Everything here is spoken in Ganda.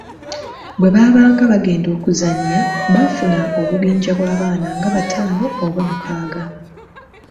Bwe baba nga bagenda okuzannya, bafuna obubinja bw’abaana nga bataano oba mukaaga.